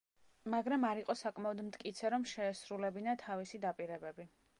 მაგრამ არ იყო საკმაოდ მტკიცე, რომ შეესრულებინა თავისი დაპირებები.